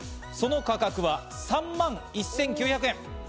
その価格は３万１９００円。